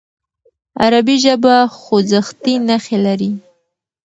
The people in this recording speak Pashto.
عربي ژبه خوځښتي نښې لري.